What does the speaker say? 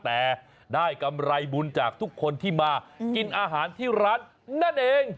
แต่ได้กำไรบุญจากทุกคนที่มากินอาหารที่ร้านนั่นเอง